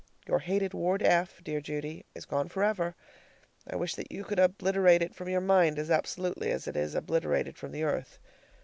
Your hated Ward F, dear Judy, is gone forever. I wish that you could obliterate it from your mind as absolutely as it is obliterated from the earth.